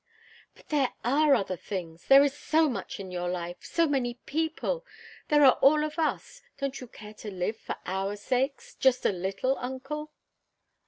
"But there are other things there is so much in your life so many people. There are all of us. Don't you care to live for our sakes just a little, uncle?"